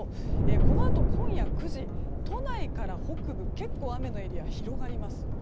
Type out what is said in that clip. このあと今夜９時、都内から北部結構、雨のエリアが広がります。